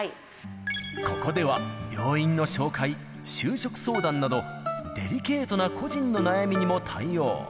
ここでは病院の紹介、就職相談など、デリケートな個人の悩みにも対応。